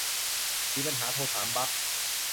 มีปัญหาโทรถามบั๊ก